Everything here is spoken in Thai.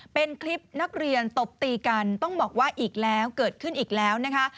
เป็นคลิปนักเรียนตบตีกันต้องบอกว่าอีกแล้วเกิดขึ้นอีกแล้วนะคะ